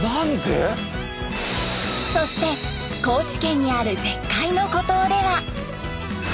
そして高知県にある絶海の孤島では。